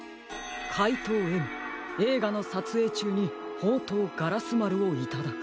「かいとうＭえいがのさつえいちゅうにほうとうガラスまるをいただく」。